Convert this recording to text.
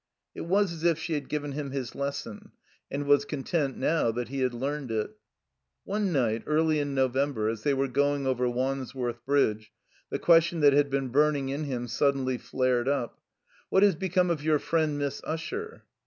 It was as if she had given him his lesson, and was content now that he had learned it. One night, early in November, as they were going over Wandsworth Bridge, the question that had been burning in him suddenly flared up. What has become of your friend Miss Usher?"